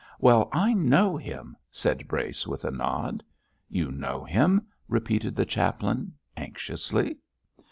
'Well, I know him!' said Brace, with a nod. 'You know him!' repeated the chaplain, anxiously.